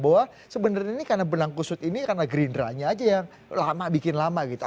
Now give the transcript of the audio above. bahwa sebenarnya ini karena benang kusut ini karena gerindranya aja yang lama bikin lama gitu